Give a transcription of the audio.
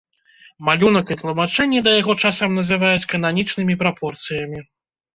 Малюнак і тлумачэнні да яго часам называюць кананічнымі прапорцыямі.